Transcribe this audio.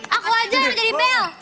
aku aja yang jadi bell